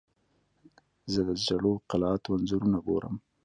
زه د زړو قلعاتو انځورونه ګورم.